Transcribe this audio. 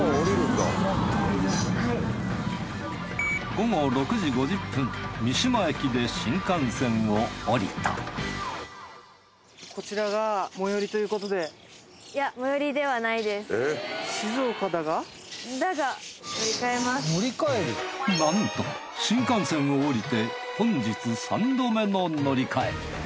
午後６時５０分三島駅で新幹線を降りたなんと新幹線を降りて本日３度目の乗り換え。